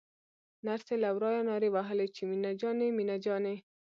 نرسې له ورايه نارې وهلې چې مينه جانې مينه جانې.